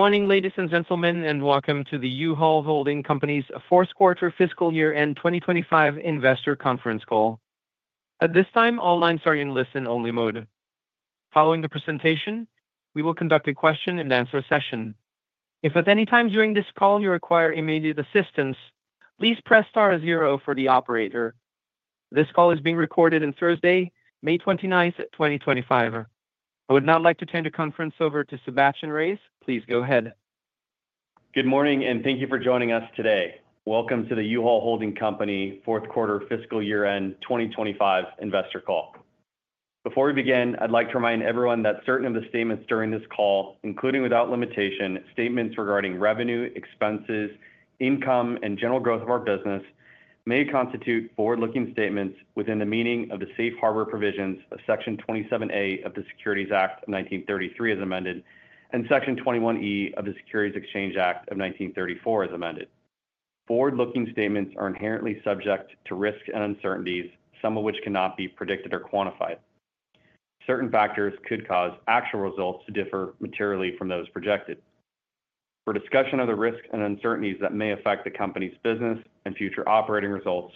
Good morning, ladies and gentlemen, and welcome to the U-Haul Holding Company's fourth quarter fiscal year-end 2025 investor conference call. At this time, all lines are in listen-only mode. Following the presentation, we will conduct a question-and-answer session. If at any time during this call you require immediate assistance, please press star zero for the operator. This call is being recorded on Thursday, May 29th, 2025. I would now like to turn the conference over to Sebastien Reyes. Please go ahead. Good morning, and thank you for joining us today. Welcome to the U-Haul Holding Company fourth quarter fiscal year-end 2025 investor call. Before we begin, I'd like to remind everyone that certain of the statements during this call, including without limitation, statements regarding revenue, expenses, income, and general growth of our business, may constitute forward-looking statements within the meaning of the safe harbor provisions of Section 27A of the Securities Act of 1933, as amended, and Section 21E of the Securities Exchange Act of 1934, as amended. Forward-looking statements are inherently subject to risks and uncertainties, some of which cannot be predicted or quantified. Certain factors could cause actual results to differ materially from those projected. For discussion of the risks and uncertainties that may affect the company's business and future operating results,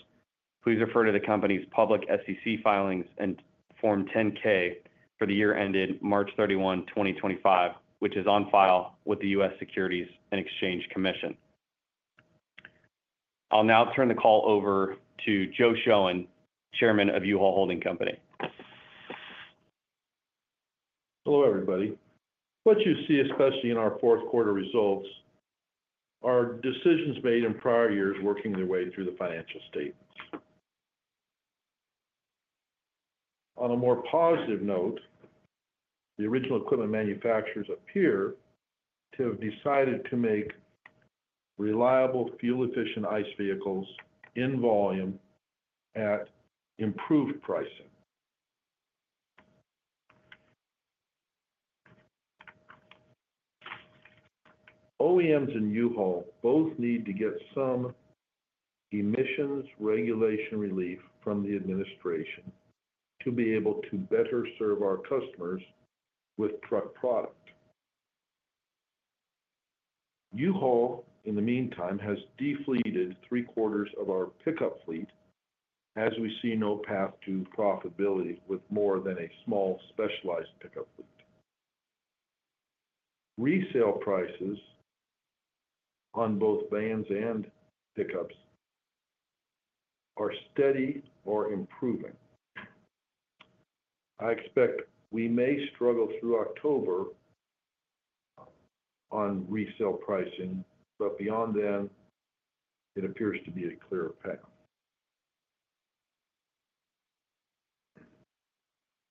please refer to the company's public SEC filings and Form 10-K for the year ended March 31, 2025, which is on file with the U.S. Securities and Exchange Commission. I'll now turn the call over to Joe Shoen, Chairman of U-Haul Holding Company. Hello, everybody. What you see, especially in our fourth quarter results, are decisions made in prior years working their way through the financial statements. On a more positive note, the original equipment manufacturers appear to have decided to make reliable, fuel-efficient ICE vehicles in volume at improved pricing. OEMs and U-Haul both need to get some emissions regulation relief from the administration to be able to better serve our customers with truck product. U-Haul, in the meantime, has defleeted three-quarters of our pickup fleet as we see no path to profitability with more than a small specialized pickup fleet. Resale prices on both vans and pickups are steady or improving. I expect we may struggle through October on resale pricing, but beyond then, it appears to be a clear path.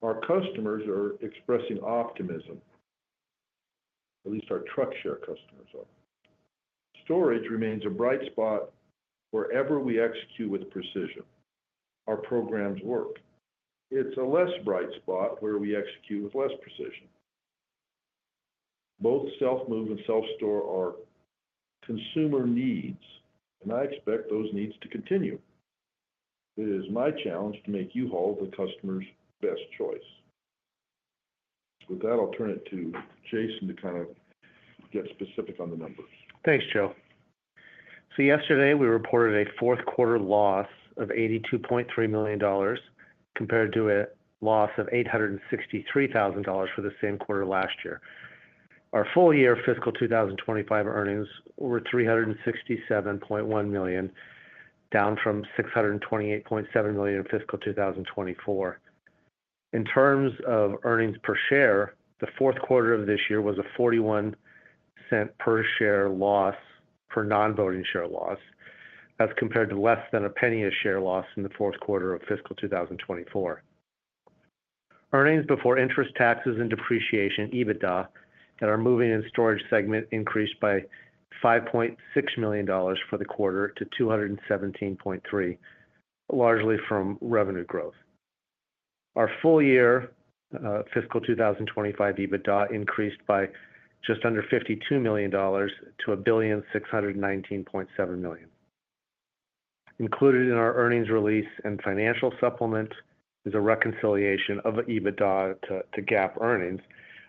Our customers are expressing optimism, at least our truck share customers are. Storage remains a bright spot wherever we execute with precision. Our programs work. It is a less bright spot where we execute with less precision. Both self-move and self-store are consumer needs, and I expect those needs to continue. It is my challenge to make U-Haul the customer's best choice. With that, I'll turn it to Jason to kind of get specific on the numbers. Thanks, Joe. Yesterday, we reported a fourth quarter loss of $82.3 million compared to a loss of $863,000 for the same quarter last year. Our full-year fiscal 2025 earnings were $367.1 million, down from $628.7 million in fiscal 2024. In terms of earnings per share, the fourth quarter of this year was a $0.41 per share loss for non-voting share loss as compared to less than a penny a share loss in the fourth quarter of fiscal 2024. Earnings before interest, taxes, and depreciation, EBITDA, in our moving and storage segment increased by $5.6 million for the quarter to $217.3 million, largely from revenue growth. Our full-year fiscal 2025 EBITDA increased by just under $52 million to $1,619.7 million. Included in our earnings release and financial supplement is a reconciliation of EBITDA to GAAP earnings.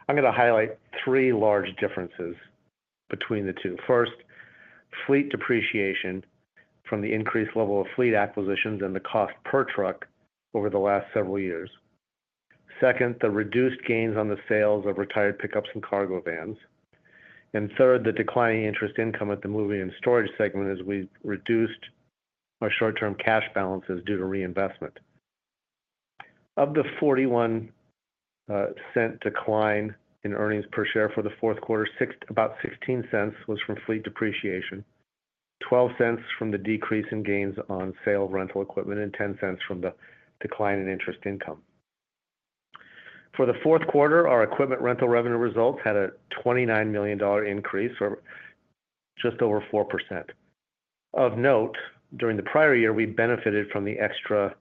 I'm going to highlight three large differences between the two. First, fleet depreciation from the increased level of fleet acquisitions and the cost per truck over the last several years. Second, the reduced gains on the sales of retired pickups and cargo vans. Third, the declining interest income at the moving and storage segment as we reduced our short-term cash balances due to reinvestment. Of the $0.41 decline in earnings per share for the fourth quarter, about $0.16 was from fleet depreciation, $0.12 from the decrease in gains on sale of rental equipment, and $0.10 from the decline in interest income. For the fourth quarter, our equipment rental revenue results had a $29 million increase or just over 4%. Of note, during the prior year, we benefited from the extra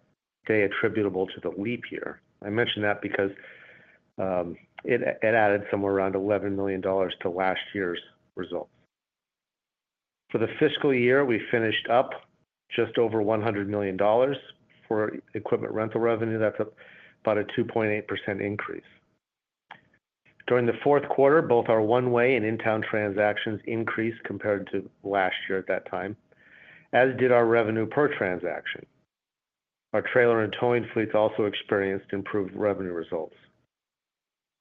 day attributable to the leap year. I mention that because it added somewhere around $11 million to last year's results. For the fiscal year, we finished up just over $100 million for equipment rental revenue. That's about a 2.8% increase. During the fourth quarter, both our one-way and in-town transactions increased compared to last year at that time, as did our revenue per transaction. Our trailer and towing fleets also experienced improved revenue results.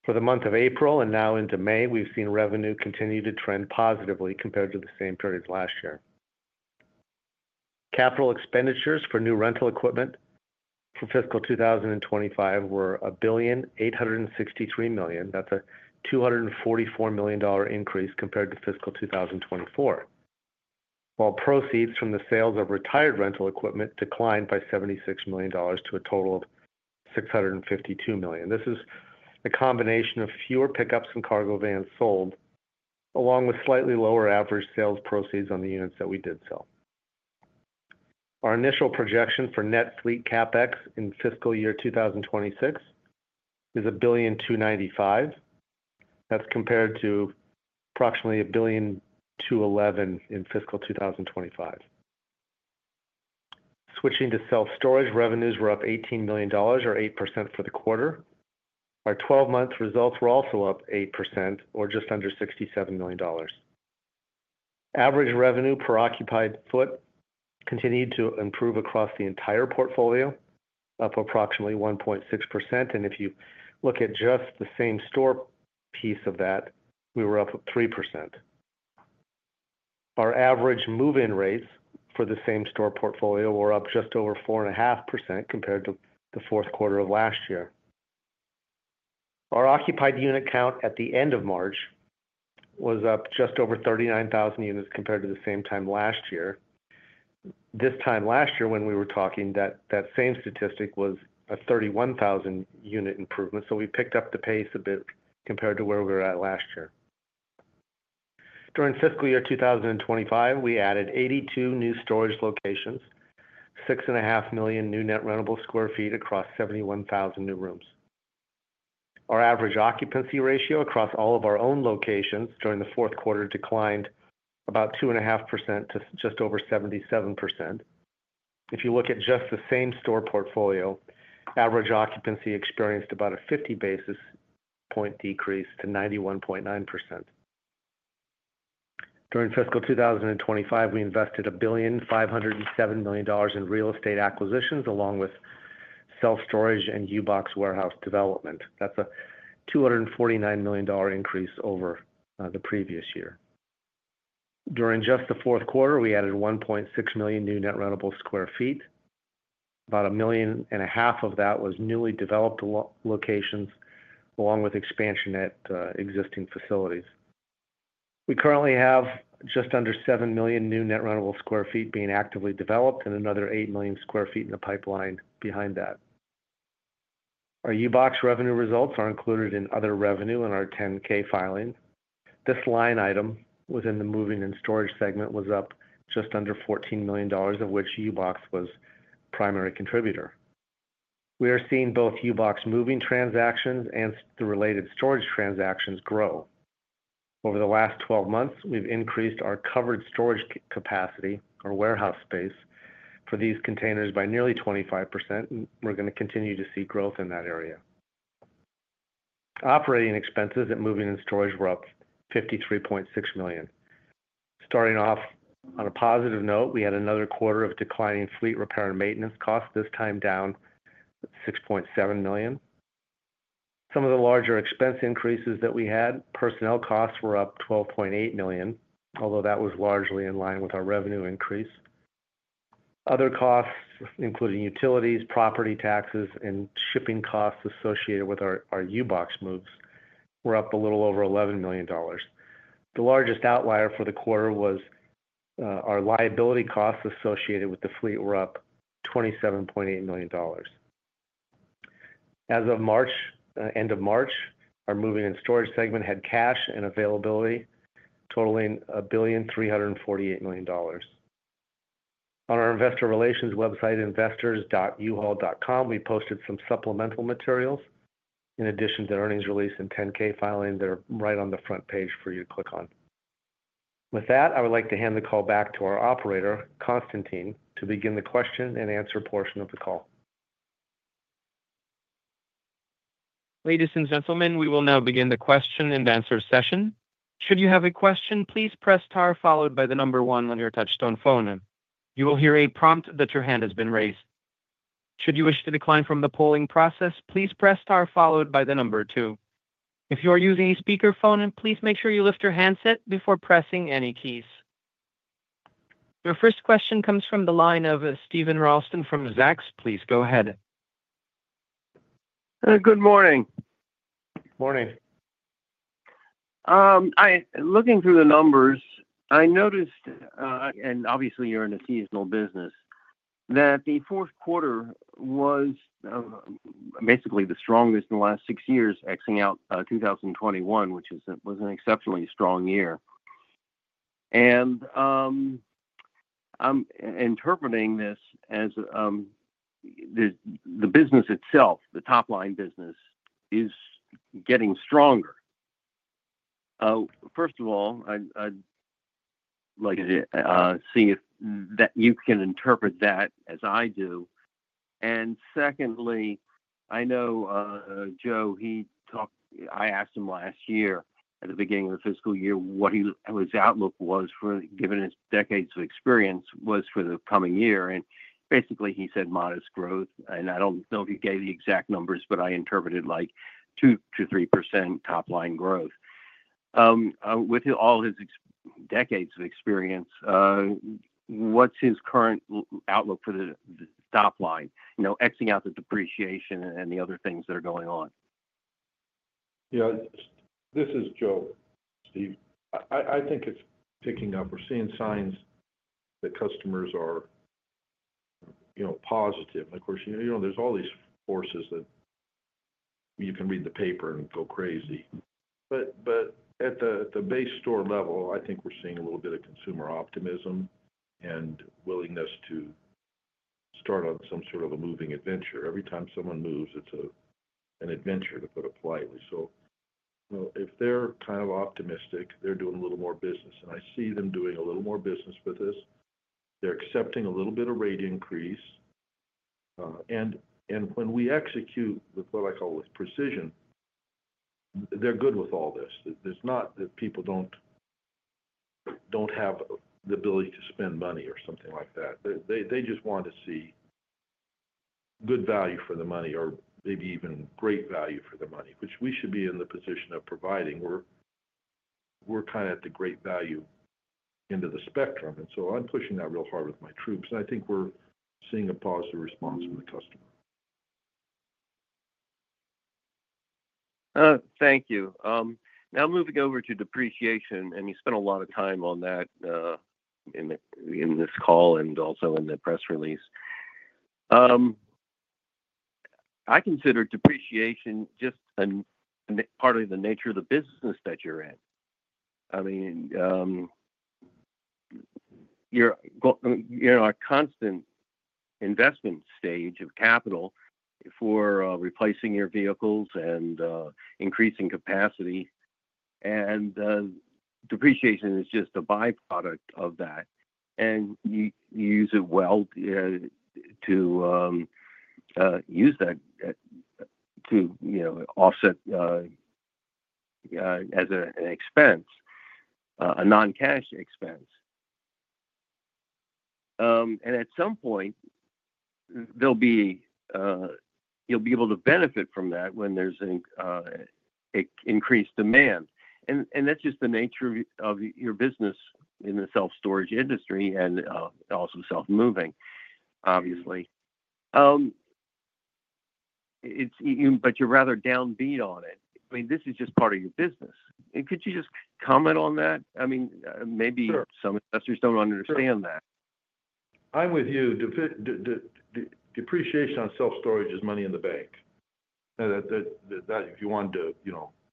For the month of April and now into May, we've seen revenue continue to trend positively compared to the same period as last year. Capital expenditures for new rental equipment for fiscal 2025 were $1,863 million. That's a $244 million increase compared to fiscal 2024. While proceeds from the sales of retired rental equipment declined by $76 million to a total of $652 million. This is a combination of fewer pickups and cargo vans sold, along with slightly lower average sales proceeds on the units that we did sell. Our initial projection for net fleet CapEx in fiscal year 2026 is $1,295 million. That's compared to approximately $1,211 million in fiscal 2025. Switching to self-storage, revenues were up $18 million, or 8% for the quarter. Our 12-month results were also up 8%, or just under $67 million. Average revenue per occupied foot continued to improve across the entire portfolio, up approximately 1.6%. If you look at just the same store piece of that, we were up 3%. Our average move-in rates for the same store portfolio were up just over 4.5% compared to the fourth quarter of last year. Our occupied unit count at the end of March was up just over 39,000 units compared to the same time last year. This time last year, when we were talking, that same statistic was a 31,000-unit improvement. We picked up the pace a bit compared to where we were at last year. During fiscal year 2025, we added 82 new storage locations, 6.5 million new net rentable sq ft across 71,000 new rooms. Our average occupancy ratio across all of our own locations during the fourth quarter declined about 2.5% to just over 77%. If you look at just the same store portfolio, average occupancy experienced about a 50 basis point decrease to 91.9%. During fiscal 2025, we invested $1,507 million in real estate acquisitions along with self-storage and U-Box warehouse development. That is a $249 million increase over the previous year. During just the fourth quarter, we added 1.6 million new net rentable sq ft. About a million and a half of that was newly developed locations, along with expansion at existing facilities. We currently have just under 7 million new net rentable sq ft being actively developed, and another 8 million sq ft in the pipeline behind that. Our U-Box revenue results are included in other revenue in our 10-K filing. This line item within the moving and storage segment was up just under $14 million, of which U-Box was the primary contributor. We are seeing both U-Box moving transactions and the related storage transactions grow. Over the last 12 months, we've increased our covered storage capacity, our warehouse space for these containers, by nearly 25%. We're going to continue to see growth in that area. Operating expenses at moving and storage were up $53.6 million. Starting off on a positive note, we had another quarter of declining fleet repair and maintenance costs, this time down $6.7 million. Some of the larger expense increases that we had, personnel costs, were up $12.8 million, although that was largely in line with our revenue increase. Other costs, including utilities, property taxes, and shipping costs associated with our U-Box moves, were up a little over $11 million. The largest outlier for the quarter was our liability costs associated with the fleet were up $27.8 million. As of end of March, our moving and storage segment had cash and availability totaling $1,348 million. On our investor relations website, investors.uhall.com, we posted some supplemental materials in addition to the earnings release and 10-K filing that are right on the front page for you to click on. With that, I would like to hand the call back to our Operator, Konstantin, to begin the question-and-answer portion of the call. Ladies and gentlemen, we will now begin the question-and-answer session. Should you have a question, please press star followed by the number one on your touchtone phone. You will hear a prompt that your hand has been raised. Should you wish to decline from the polling process, please press star followed by the number two. If you are using a speakerphone, please make sure you lift your handset before pressing any keys. Your first question comes from the line of Steven Ralston from Zacks. Please go ahead. Good morning. Morning. Looking through the numbers, I noticed, and obviously, you're in a seasonal business, that the fourth quarter was basically the strongest in the last six years, exiting out 2021, which was an exceptionally strong year. I'm interpreting this as the business itself, the top-line business, is getting stronger. First of all, I'd like to see if you can interpret that as I do. Secondly, I know Joe, I asked him last year at the beginning of the fiscal year what his outlook was, given his decades of experience, was for the coming year. Basically, he said modest growth. I don't know if he gave the exact numbers, but I interpreted like 2%-3% top-line growth. With all his decades of experience, what's his current outlook for the top-line, exiting out the depreciation and the other things that are going on? Yeah. This is Joe, Steve. I think it's picking up. We're seeing signs that customers are positive. Of course, there's all these forces that you can read the paper and go crazy. At the base store level, I think we're seeing a little bit of consumer optimism and willingness to start on some sort of a moving adventure. Every time someone moves, it's an adventure, to put it politely. If they're kind of optimistic, they're doing a little more business. I see them doing a little more business with this. They're accepting a little bit of rate increase. When we execute with what I call precision, they're good with all this. It's not that people don't have the ability to spend money or something like that. They just want to see good value for the money or maybe even great value for the money, which we should be in the position of providing. We're kind of at the great value end of the spectrum. I am pushing that real hard with my troops. I think we're seeing a positive response from the customer. Thank you. Now, moving over to depreciation, and you spent a lot of time on that in this call and also in the press release. I consider depreciation just part of the nature of the business that you're in. I mean, you're in a constant investment stage of capital for replacing your vehicles and increasing capacity. Depreciation is just a byproduct of that. You use it well to use that to offset as an expense, a non-cash expense. At some point, you'll be able to benefit from that when there's an increased demand. That's just the nature of your business in the self-storage industry and also self-moving, obviously. You're rather downbeat on it. I mean, this is just part of your business. Could you just comment on that? Maybe some investors don't understand that. I'm with you. Depreciation on self-storage is money in the bank. If you wanted to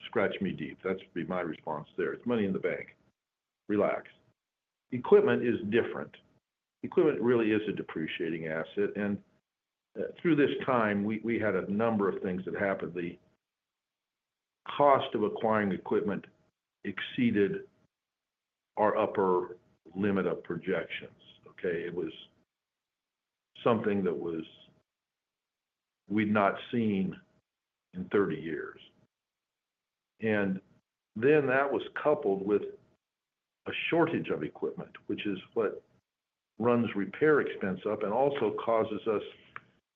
scratch me deep, that'd be my response there. It's money in the bank. Relax. Equipment is different. Equipment really is a depreciating asset. Through this time, we had a number of things that happened. The cost of acquiring equipment exceeded our upper limit of projections. Okay? It was something that we'd not seen in 30 years. That was coupled with a shortage of equipment, which is what runs repair expense up and also causes us,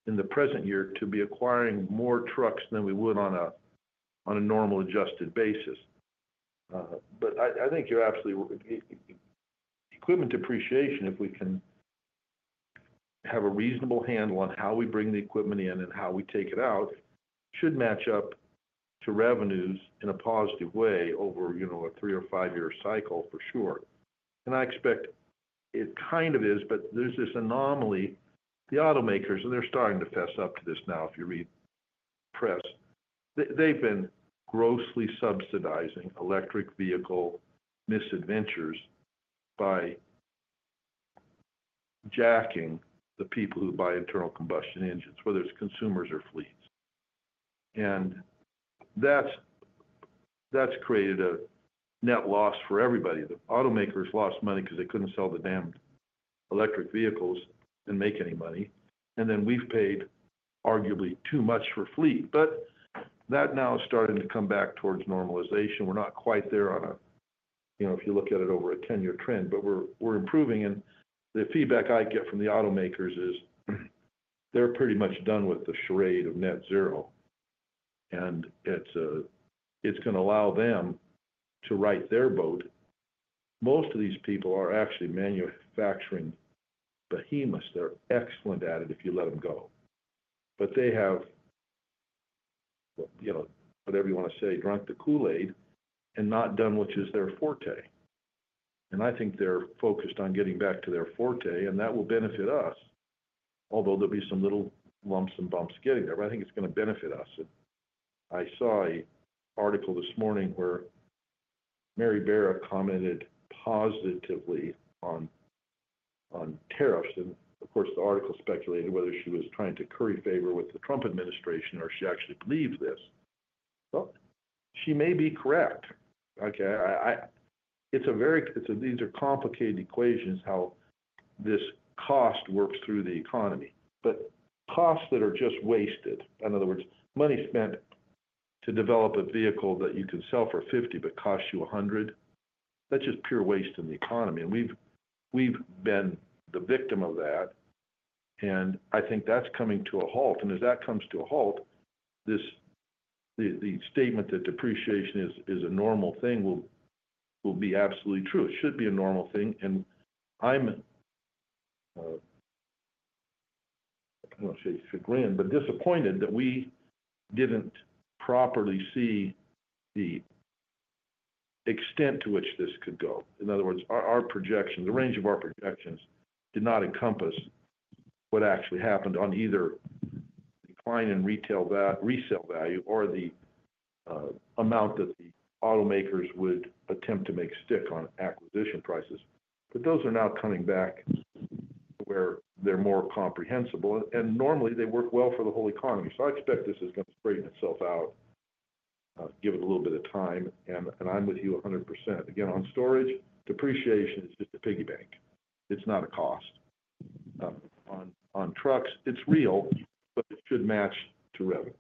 in the present year, to be acquiring more trucks than we would on a normal adjusted basis. I think you're absolutely right. Equipment depreciation, if we can have a reasonable handle on how we bring the equipment in and how we take it out, should match up to revenues in a positive way over a three or five-year cycle, for sure. I expect it kind of is, but there is this anomaly. The automakers, and they are starting to fess up to this now if you read the press, they have been grossly subsidizing electric vehicle misadventures by jacking the people who buy internal combustion engines, whether it is consumers or fleets. That has created a net loss for everybody. The automakers lost money because they could not sell the damned electric vehicles and make any money. We have paid arguably too much for fleet. That now is starting to come back towards normalization. We are not quite there on a, if you look at it over a 10-year trend, but we are improving. The feedback I get from the automakers is they're pretty much done with the charade of net zero. It's going to allow them to right their boat. Most of these people are actually manufacturing behemoths. They're excellent at it if you let them go. They have, whatever you want to say, drunk the Kool-Aid and not done what is their forte. I think they're focused on getting back to their forte, and that will benefit us, although there'll be some little lumps and bumps getting there. I think it's going to benefit us. I saw an article this morning where Mary Barra commented positively on tariffs. Of course, the article speculated whether she was trying to curry favor with the Trump administration or she actually believes this. She may be correct. These are complicated equations, how this cost works through the economy. Costs that are just wasted, in other words, money spent to develop a vehicle that you can sell for $50 but costs you $100, that's just pure waste in the economy. We've been the victim of that. I think that's coming to a halt. As that comes to a halt, the statement that depreciation is a normal thing will be absolutely true. It should be a normal thing. I'm, I don't want to say chagrined, but disappointed that we didn't properly see the extent to which this could go. In other words, the range of our projections did not encompass what actually happened on either the decline in resale value or the amount that the automakers would attempt to make stick on acquisition prices. Those are now coming back to where they're more comprehensible. Normally, they work well for the whole economy. I expect this is going to straighten itself out, give it a little bit of time. I'm with you 100%. Again, on storage, depreciation is just a piggy bank. It's not a cost. On trucks, it's real, but it should match to revenues.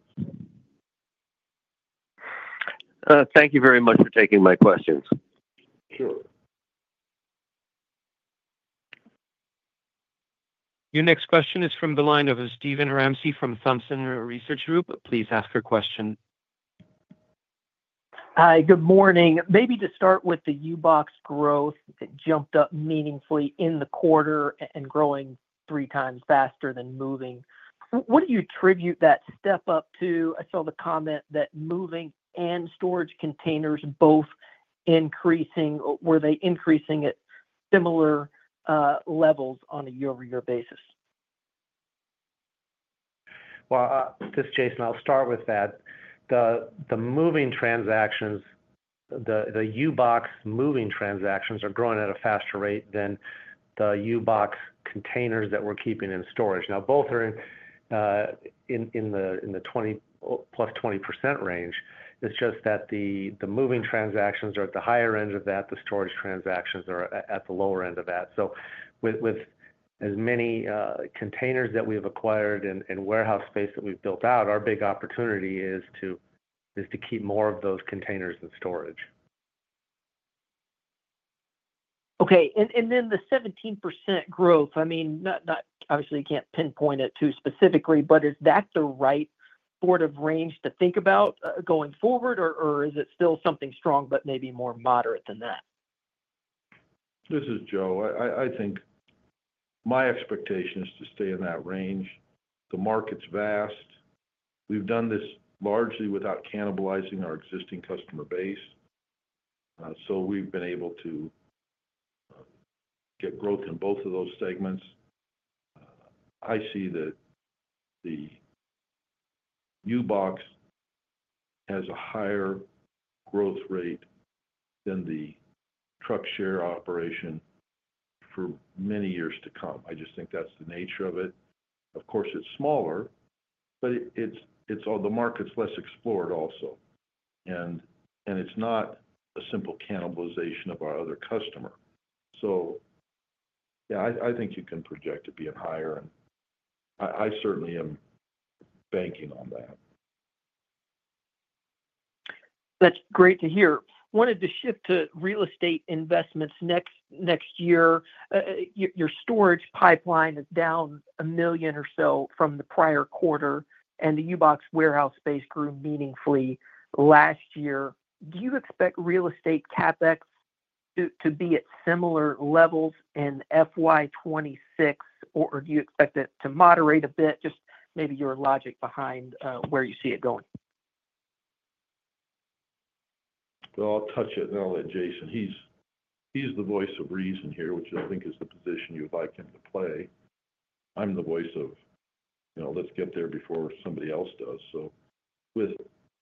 Thank you very much for taking my questions. Sure. Your next question is from the line of Steven Ramsey from Thompson Research Group. Please ask your question. Hi. Good morning. Maybe to start with, the U-Box growth jumped up meaningfully in the quarter and growing three times faster than moving. What do you attribute that step up to? I saw the comment that moving and storage containers both increasing. Were they increasing at similar levels on a year-over-year basis? Jason, I'll start with that. The moving transactions, the U-Box moving transactions, are growing at a faster rate than the U-Box containers that we're keeping in storage. Now, both are in the plus 20% range. It's just that the moving transactions are at the higher end of that. The storage transactions are at the lower end of that. With as many containers that we've acquired and warehouse space that we've built out, our big opportunity is to keep more of those containers in storage. Okay. And then the 17% growth, I mean, obviously, you can't pinpoint it too specifically, but is that the right sort of range to think about going forward, or is it still something strong but maybe more moderate than that? This is Joe. I think my expectation is to stay in that range. The market's vast. We've done this largely without cannibalizing our existing customer base. So we've been able to get growth in both of those segments. I see that the U-Box has a higher growth rate than the truck share operation for many years to come. I just think that's the nature of it. Of course, it's smaller, but the market's less explored also. And it's not a simple cannibalization of our other customer. Yeah, I think you can project it being higher. I certainly am banking on that. That's great to hear. Wanted to shift to real estate investments next year. Your storage pipeline is down a million or so from the prior quarter, and the U-Box warehouse space grew meaningfully last year. Do you expect real estate CapEx to be at similar levels in FY26, or do you expect it to moderate a bit? Just maybe your logic behind where you see it going. I'll touch it and I'll let Jason. He's the voice of reason here, which I think is the position you'd like him to play. I'm the voice of, "Let's get there before somebody else does."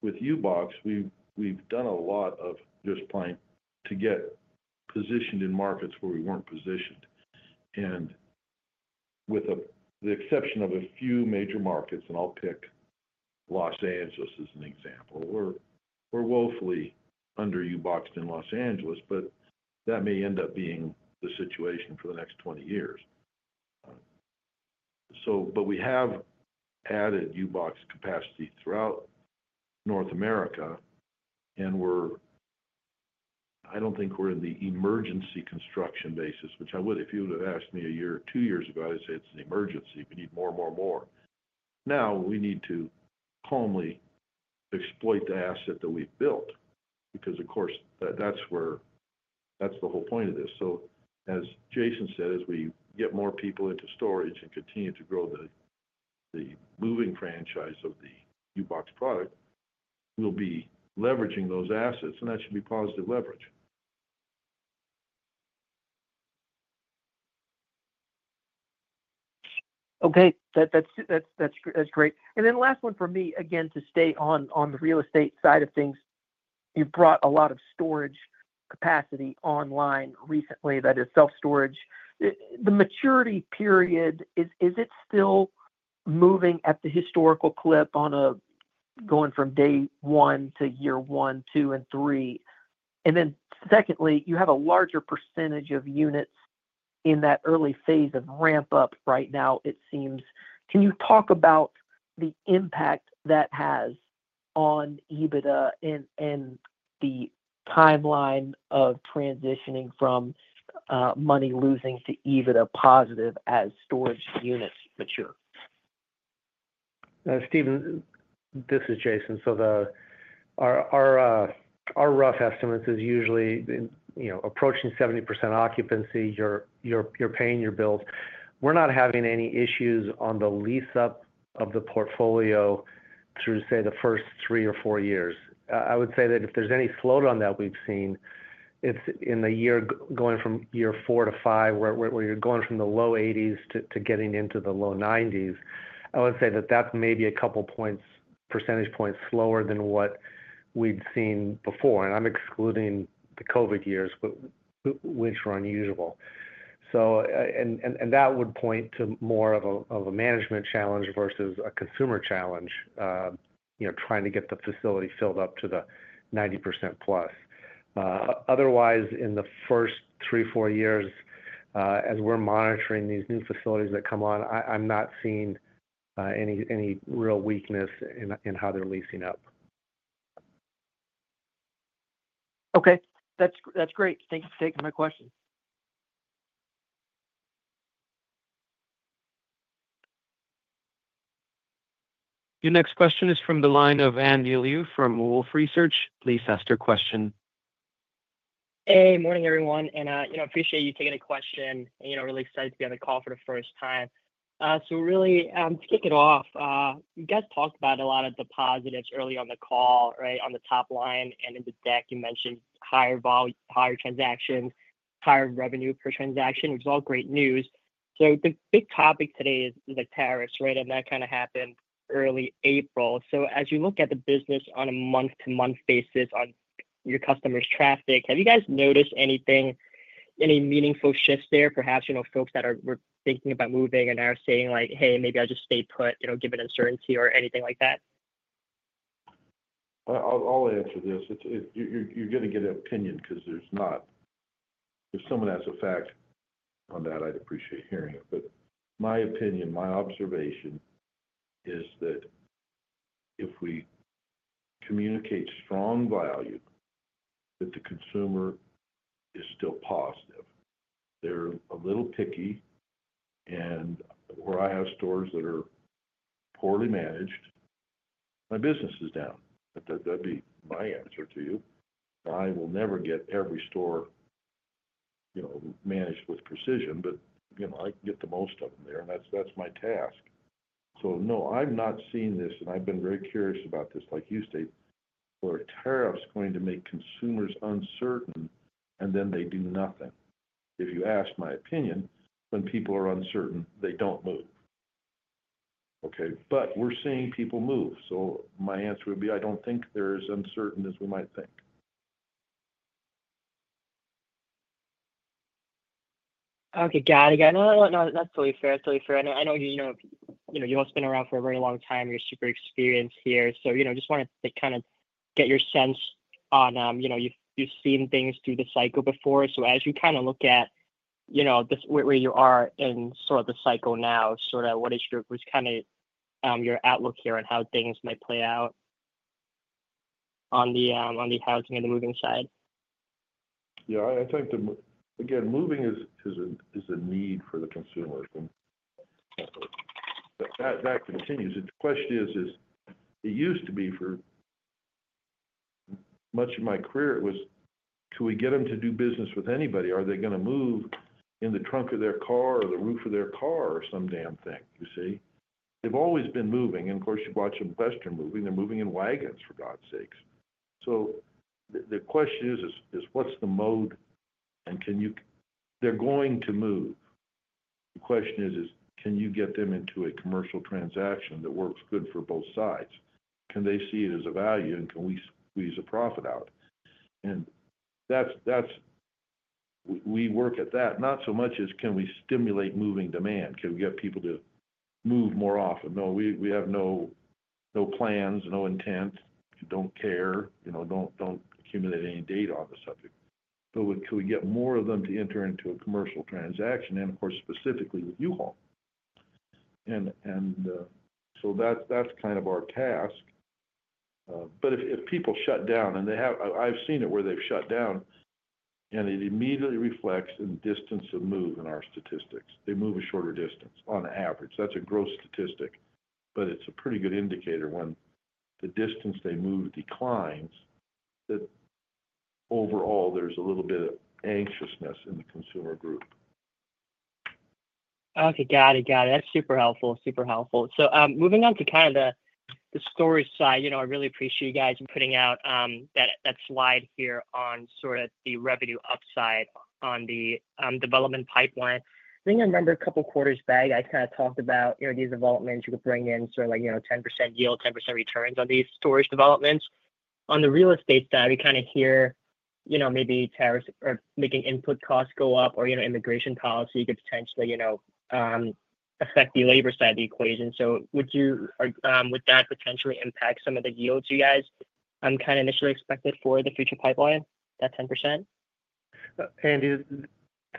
With U-Box, we've done a lot of just trying to get positioned in markets where we weren't positioned. With the exception of a few major markets, and I'll pick Los Angeles as an example, we're woefully under U-Boxed in Los Angeles, but that may end up being the situation for the next 20 years. We have added U-Box capacity throughout North America. I don't think we're in the emergency construction basis, which I would. If you would have asked me a year or two years ago, I'd say it's an emergency. We need more and more and more. Now, we need to calmly exploit the asset that we've built because, of course, that's the whole point of this. As Jason said, as we get more people into storage and continue to grow the moving franchise of the U-Box product, we'll be leveraging those assets, and that should be positive leverage. Okay. That's great. Last one for me, again, to stay on the real estate side of things. You've brought a lot of storage capacity online recently, that is, self-storage. The maturity period, is it still moving at the historical clip on going from day one to year one, two, and three? Secondly, you have a larger percentage of units in that early phase of ramp-up right now, it seems. Can you talk about the impact that has on EBITDA and the timeline of transitioning from money-losing to EBITDA positive as storage units mature? Steven, this is Jason. Our rough estimate is usually approaching 70% occupancy. You're paying your bills. We're not having any issues on the lease-up of the portfolio through, say, the first three or four years. I would say that if there's any slowdown that we've seen, it's in the year going from year four to five, where you're going from the low 80s to getting into the low 90s. I would say that that's maybe a couple of percentage points slower than what we'd seen before. I'm excluding the COVID years, which were unusual. That would point to more of a management challenge versus a consumer challenge, trying to get the facility filled up to the 90% plus. Otherwise, in the first three, four years, as we're monitoring these new facilities that come on, I'm not seeing any real weakness in how they're leasing up. Okay. That's great. Thank you for taking my question. Your next question is from the line of Andy Liu from Wolfe Research. Please ask your question. Hey. Morning, everyone. I appreciate you taking the question. I'm really excited to be on the call for the first time. To kick it off, you guys talked about a lot of the positives early on the call, right? On the top line and in the deck, you mentioned higher transactions, higher revenue per transaction, which is all great news. The big topic today is the tariffs, right? That kind of happened early April. As you look at the business on a month-to-month basis on your customers' traffic, have you guys noticed any meaningful shifts there? Perhaps folks that were thinking about moving and are saying, "Hey, maybe I'll just stay put," given uncertainty or anything like that? I'll answer this. You're going to get an opinion because if someone has a fact on that, I'd appreciate hearing it. My opinion, my observation is that if we communicate strong value, the consumer is still positive. They're a little picky. Where I have stores that are poorly managed, my business is down. That'd be my answer to you. I will never get every store managed with precision, but I can get most of them there. That's my task. No, I've not seen this, and I've been very curious about this like you state, where tariffs are going to make consumers uncertain, and then they do nothing. If you ask my opinion, when people are uncertain, they don't move. Okay? We're seeing people move. My answer would be, I don't think they're as uncertain as we might think. Okay. Got it. No, no, no. That's totally fair. That's totally fair. I know you don't spin around for a very long time. You're super experienced here. Just wanted to kind of get your sense on you've seen things through the cycle before. As you kind of look at where you are in sort of the cycle now, sort of what is kind of your outlook here on how things might play out on the housing and the moving side? Yeah. I think, again, moving is a need for the consumer. That continues. The question is, it used to be for much of my career, it was, can we get them to do business with anybody? Are they going to move in the trunk of their car or the roof of their car, or some damn thing? You see? They've always been moving. Of course, you watch them invest in moving. They're moving in wagons, for God's sakes. The question is, what's the mode? They're going to move. The question is, can you get them into a commercial transaction that works good for both sides? Can they see it as a value, and can we squeeze a profit out? We work at that, not so much as can we stimulate moving demand? Can we get people to move more often? No, we have no plans, no intent. We don't care. Don't accumulate any data on the subject. Can we get more of them to enter into a commercial transaction? Of course, specifically with U-Haul. That's kind of our task. If people shut down, and I've seen it where they've shut down, it immediately reflects in distance of move in our statistics. They move a shorter distance on average. That's a gross statistic, but it's a pretty good indicator when the distance they move declines, that overall, there's a little bit of anxiousness in the consumer group. Okay. Got it. Got it. That's super helpful. Super helpful. Moving on to kind of the storage side, I really appreciate you guys putting out that slide here on sort of the revenue upside on the development pipeline. I think I remember a couple of quarters back, I kind of talked about these developments you could bring in, sort of like 10% yield, 10% returns on these storage developments. On the real estate side, we kind of hear maybe tariffs are making input costs go up, or immigration policy could potentially affect the labor side of the equation. Would that potentially impact some of the yields you guys kind of initially expected for the future pipeline, that 10%? Andy, this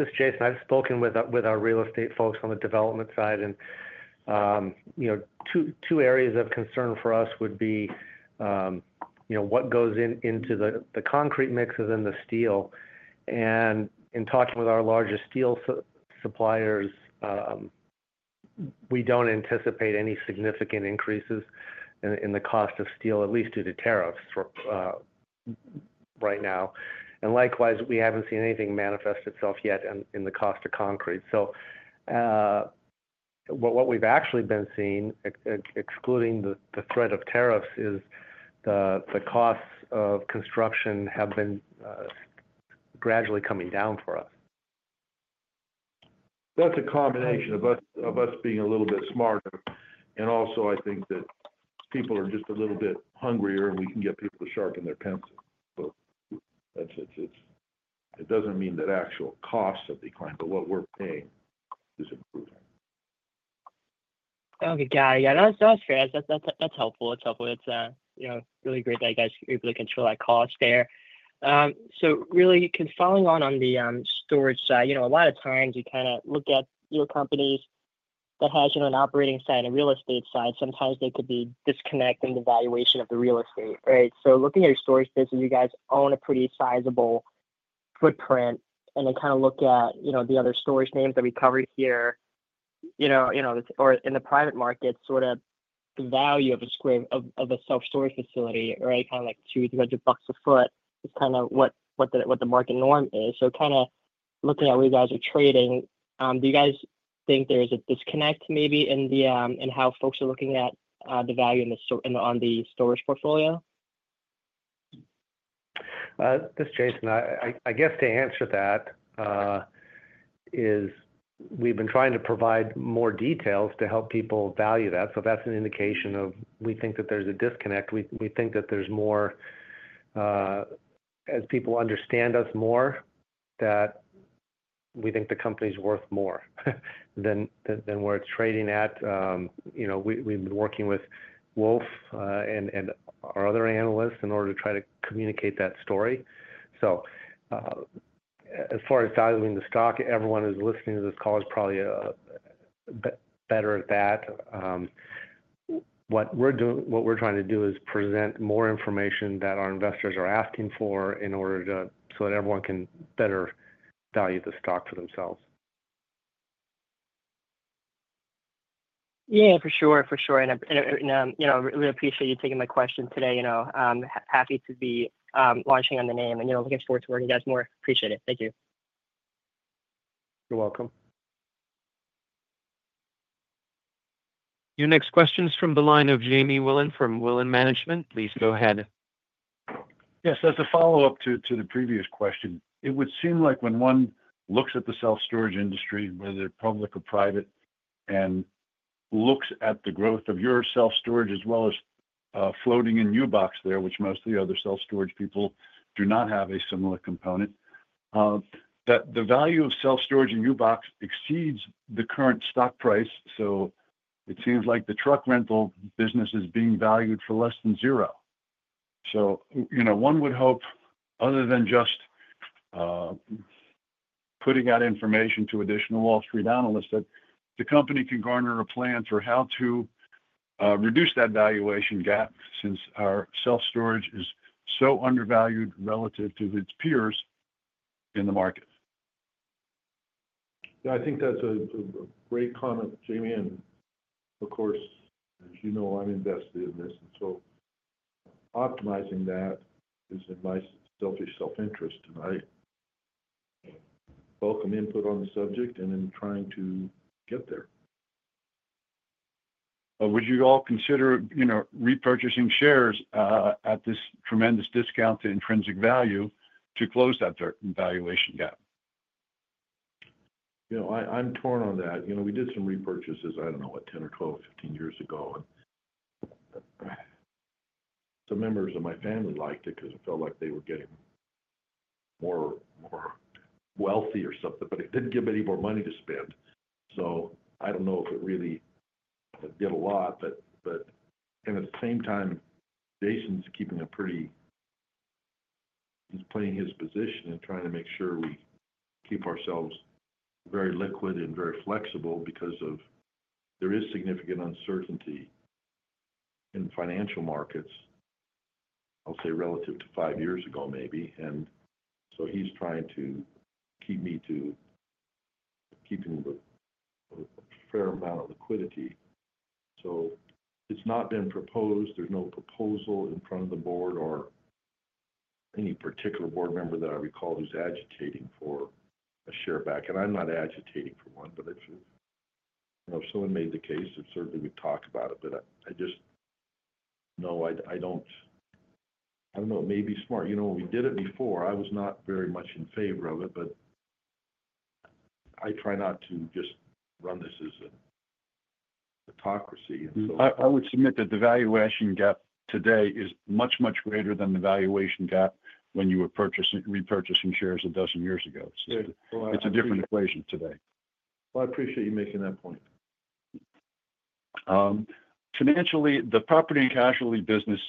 is Jason. I've spoken with our real estate folks on the development side. Two areas of concern for us would be what goes into the concrete mix and then the steel. In talking with our largest steel suppliers, we don't anticipate any significant increases in the cost of steel, at least due to tariffs right now. Likewise, we haven't seen anything manifest itself yet in the cost of concrete. What we've actually been seeing, excluding the threat of tariffs, is the costs of construction have been gradually coming down for us. That's a combination of us being a little bit smarter. Also, I think that people are just a little bit hungrier, and we can get people to sharpen their pencil. It doesn't mean that actual costs have declined, but what we're paying is improving. Okay. Got it. Yeah. That's fair. That's helpful. It's really great that you guys are able to control that cost there. Really, following on the storage side, a lot of times you kind of look at companies that have an operating side and a real estate side. Sometimes they could be disconnecting the valuation of the real estate, right? Looking at your storage business, you guys own a pretty sizable footprint. Then, kind of look at the other storage names that we cover here or in the private market, sort of the value of a self-storage facility, right? Kind of like $200-$300 a sq ft is kind of what the market norm is. Looking at where you guys are trading, do you guys think there's a disconnect, maybe in how folks are looking at the value on the storage portfolio? This is Jason. I guess to answer that is we've been trying to provide more details to help people value that. That's an indication of we think that there's a disconnect. We think that there's more, as people understand us more, that we think the company's worth more than where it's trading at. We've been working with Wolfe and our other analysts in order to try to communicate that story. As far as valuing the stock, everyone who's listening to this call is probably better at that. What we're trying to do is present more information that our investors are asking for in order so that everyone can better value the stock for themselves. Yeah. For sure. For sure. I really appreciate you taking my question today. Happy to be launching on the name. Looking forward to working with you guys more. Appreciate it. Thank you. You're welcome. Your next question is from the line of Jamie Wilen from Wilen Management. Please go ahead. Yes. As a follow-up to the previous question, it would seem like when one looks at the self-storage industry, whether public or private, and looks at the growth of your self-storage as well as floating in U-Box there, which most of the other self-storage people do not have a similar component, that the value of self-storage in U-Box exceeds the current stock price. It seems like the truck rental business is being valued for less than zero. One would hope, other than just putting out information to additional Wall Street analysts, that the company can garner a plan for how to reduce that valuation gap since our self-storage is so undervalued relative to its peers in the market. Yeah. I think that's a great comment, Jamie. Of course, as you know, I'm invested in this. Optimizing that is in my selfish self-interest. I welcome input on the subject and in trying to get there. Would you all consider repurchasing shares at this tremendous discount to intrinsic value to close that valuation gap? I'm torn on that. We did some repurchases, I don't know, what, 10 or 12, 15 years ago. Some members of my family liked it because it felt like they were getting more wealthy or something. It didn't give any more money to spend. I don't know if it really did a lot. At the same time, Jason's keeping a pretty, he's playing his position and trying to make sure we keep ourselves very liquid and very flexible because there is significant uncertainty in financial markets, I'll say, relative to five years ago, maybe. He's trying to keep me to keeping a fair amount of liquidity. It's not been proposed. There's no proposal in front of the board or any particular board member that I recall who's agitating for a share back. I'm not agitating for one. If someone made the case, certainly we'd talk about it. I just know I don't know. It may be smart. We did it before. I was not very much in favor of it. I try not to just run this as a hypocrisy. And so. I would submit that the valuation gap today is much, much greater than the valuation gap when you were repurchasing shares a dozen years ago. It's a different equation today. I appreciate you making that point. Financially, the property and casualty business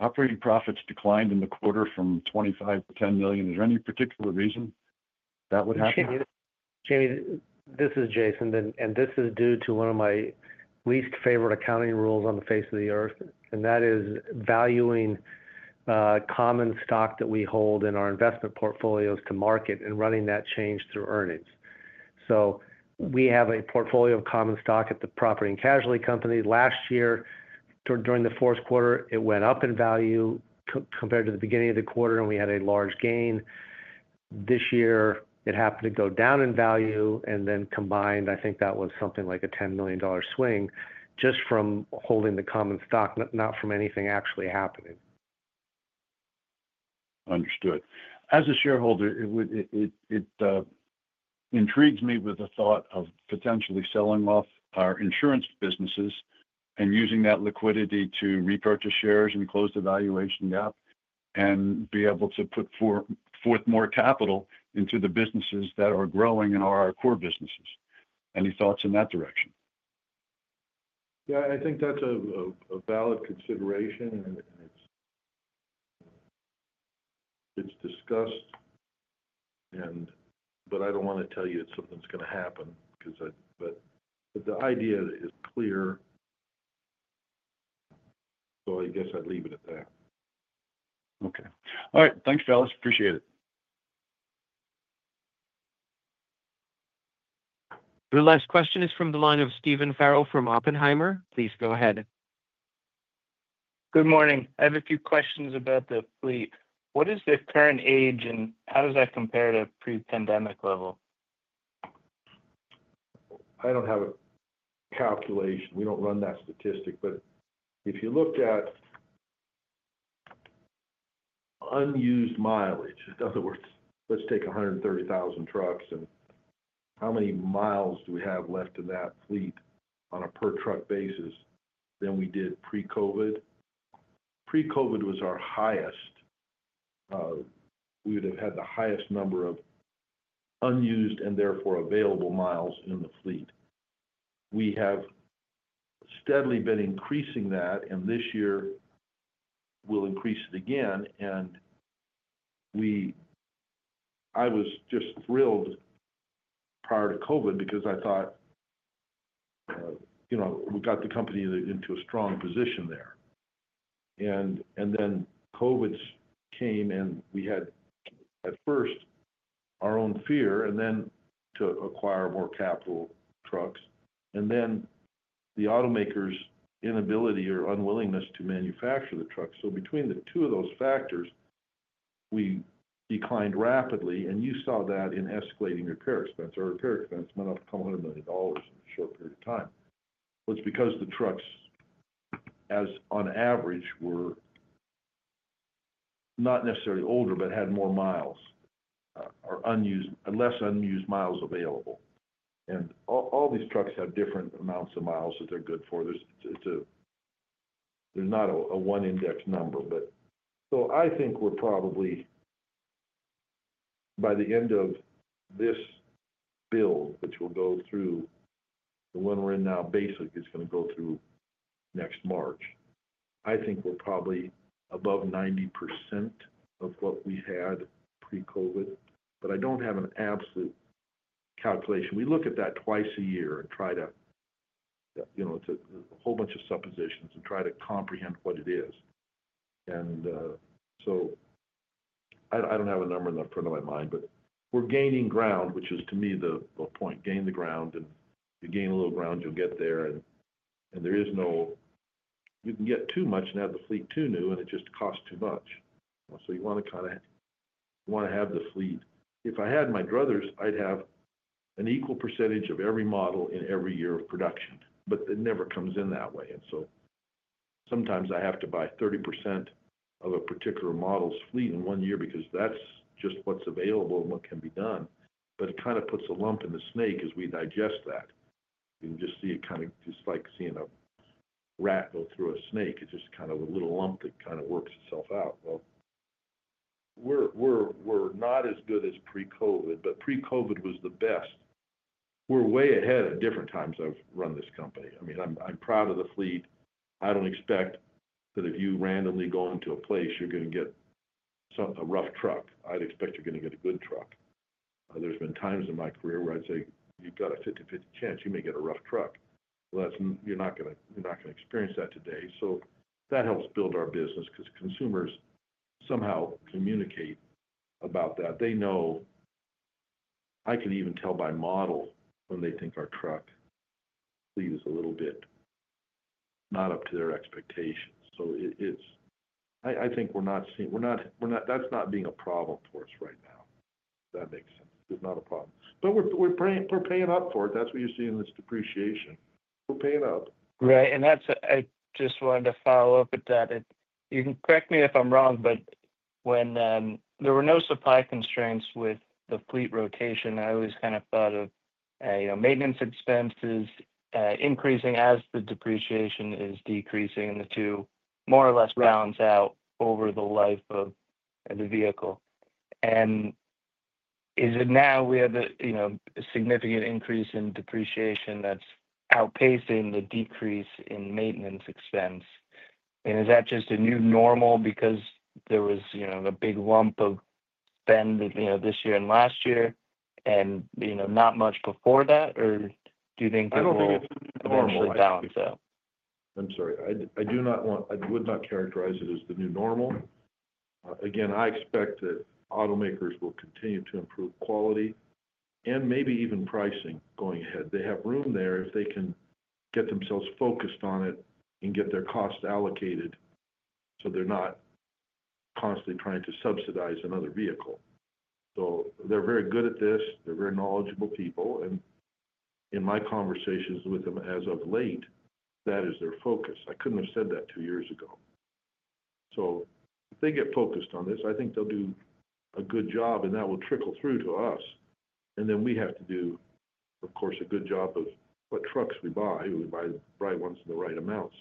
operating profits declined in the quarter from $25 million to $10 million. Is there any particular reason that would happen? Jamie, this is Jason. This is due to one of my least favorite accounting rules on the face of the earth. That is valuing common stock that we hold in our investment portfolios to market and running that change through earnings. We have a portfolio of common stock at the property and casualty company. Last year, during the fourth quarter, it went up in value compared to the beginning of the quarter, and we had a large gain. This year, it happened to go down in value. Combined, I think that was something like a $10 million swing just from holding the common stock, not from anything actually happening. Understood. As a shareholder, it intrigues me with the thought of potentially selling off our insurance businesses and using that liquidity to repurchase shares and close the valuation gap, and be able to put forth more capital into the businesses that are growing and are our core businesses. Any thoughts in that direction? Yeah. I think that's a valid consideration. It's discussed. I don't want to tell you that something's going to happen, but the idea is clear. I guess I'd leave it at that. Okay. All right. Thanks, fellas. Appreciate it. The last question is from the line of Stephen Farrell from Oppenheimer. Please go ahead. Good morning. I have a few questions about the fleet. What is the current age, and how does that compare to pre-pandemic level? I don't have a calculation. We don't run that statistic. If you look at unused mileage, in other words, let's take 130,000 trucks and how many miles do we have left in that fleet on a per-truck basis than we did pre-COVID? Pre-COVID was our highest. We would have had the highest number of unused and therefore available miles in the fleet. We have steadily been increasing that. This year, we'll increase it again. I was just thrilled prior to COVID because I thought we got the company into a strong position there. COVID came, and we had, at first, our own fear, and then to acquire more capital trucks. The automakers' inability or unwillingness to manufacture the trucks. Between the two of those factors, we declined rapidly. You saw that in escalating repair expense. Our repair expense went up a couple hundred million dollars in a short period of time. It is because the trucks, as on average, were not necessarily older but had more miles or less unused miles available. All these trucks have different amounts of miles that they are good for. There is not a one index number. I think we are probably, by the end of this bill, which will go through the one we are in now, basically, is going to go through next March, I think we are probably above 90% of what we had pre-COVID. I do not have an absolute calculation. We look at that twice a year and try to, it is a whole bunch of suppositions and try to comprehend what it is. I do not have a number in the front of my mind. We are gaining ground, which is, to me, the point. Gain the ground. You gain a little ground, you'll get there. There is no you can get too much and have the fleet too new, and it just costs too much. You want to kind of you want to have the fleet. If I had my druthers, I'd have an equal percentage of every model in every year of production. It never comes in that way. Sometimes I have to buy 30% of a particular model's fleet in one year because that's just what's available and what can be done. It kind of puts a lump in the snake as we digest that. You can just see it, kind of just like seeing a rat go through a snake. It's just kind of a little lump that kind of works itself out. We're not as good as pre-COVID. Pre-COVID was the best. We're way ahead at different times I've run this company. I mean, I'm proud of the fleet. I don't expect that if you randomly go into a place, you're going to get a rough truck. I'd expect you're going to get a good truck. There have been times in my career where I'd say, "You've got a 50/50 chance. You may get a rough truck." You're not going to experience that today. That helps build our business because consumers somehow communicate about that. They know. I can even tell by model when they think our truck fleet is a little bit not up to their expectations. I think we're not seeing that's not being a problem for us right now. If that makes sense. It's not a problem. We're paying up for it. That's what you're seeing in this depreciation. We're paying up. Right. I just wanted to follow up with that. You can correct me if I'm wrong. When there were no supply constraints with the fleet rotation, I always kind of thought of maintenance expenses increasing as the depreciation is decreasing, and the two more or less balance out over the life of the vehicle. Is it now we have a significant increase in depreciation that's outpacing the decrease in maintenance expense? Is that just a new normal because there was a big lump of spend this year and last year, and not much before that? Do you think it will eventually balance out? I don't know. I'm sorry. I do not want. I would not characterize it as the new normal. Again, I expect that automakers will continue to improve quality and maybe even pricing going ahead. They have room there if they can get themselves focused on it and get their cost allocated so they're not constantly trying to subsidize another vehicle. They're very good at this. They're very knowledgeable people. In my conversations with them as of late, that is their focus. I couldn't have said that two years ago. If they get focused on this, I think they'll do a good job. That will trickle through to us. We have to do, of course, a good job of what trucks we buy. We buy the right ones and the right amounts.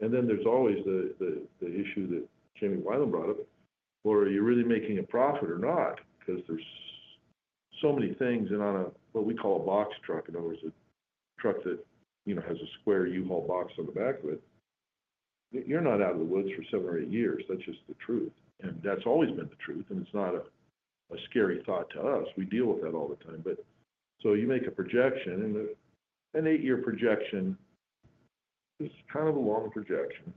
There's always the issue that Jamie brought up. Are you really making a profit or not? Because there's so many things. On a what we call a box truck, in other words, a truck that has a square U-Haul box on the back of it, you're not out of the woods for seven or eight years. That's just the truth. That's always been the truth. It's not a scary thought to us. We deal with that all the time. You make a projection. An eight-year projection is kind of a long projection.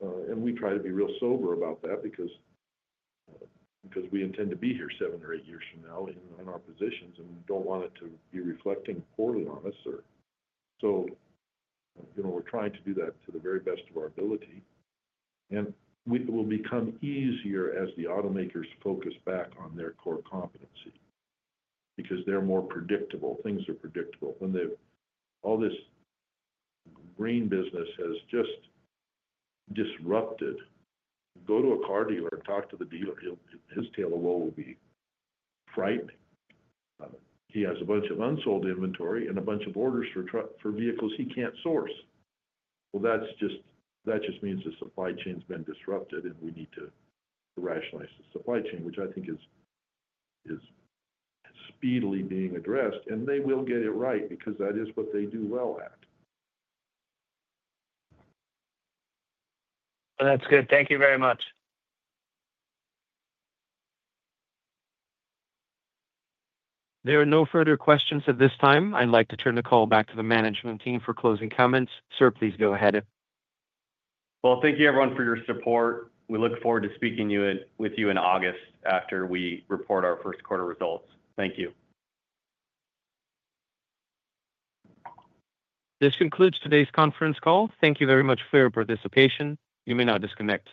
We try to be real sober about that because we intend to be here seven or eight years from now in our positions. We don't want it to be reflecting poorly on us. We're trying to do that to the very best of our ability. It will become easier as the automakers focus back on their core competency because they are more predictable. Things are predictable. When all this green business has just disrupted, go to a car dealer and talk to the dealer. His tale of woe will be frightening. He has a bunch of unsold inventory and a bunch of orders for vehicles he cannot source. That just means the supply chain has been disrupted. We need to rationalize the supply chain, which I think is speedily being addressed. They will get it right because that is what they do well at. That's good. Thank you very much. There are no further questions at this time. I'd like to turn the call back to the management team for closing comments. Sir, please go ahead. Thank you, everyone, for your support. We look forward to speaking with you in August after we report our first quarter results. Thank you. This concludes today's conference call. Thank you very much for your participation. You may now disconnect.